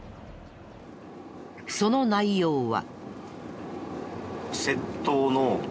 その内容は。